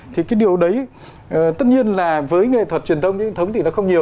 thì cái điều đấy tất nhiên là với nghệ thuật truyền thống thì nó không nhiều